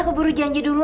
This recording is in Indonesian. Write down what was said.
kamu ada disini